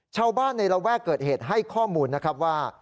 ชาวบ้านในระแวกเกิดเหตุให้ข้อมูลนะครับว่า